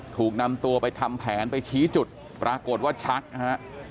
ถูกนำตัวไปทำแผนไปชี้จุดปรากฏว่าชักฮะ